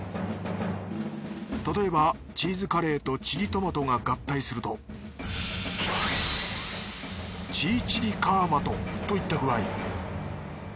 例えばチーズカレーとチリトマトが合体するとチーチリカーマトといった具合。